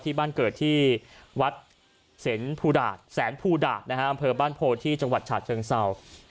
ที่บ้านเกิดที่วัดแสนพูดาตบ้านโพธิจังหวัดฉาดเชิงเศร้า